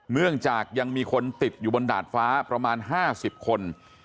เนื่องจากยังมีคนติดอยู่บนดาดฟ้าประมาณ๕๐คน